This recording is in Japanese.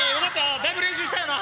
だいぶ練習したよな。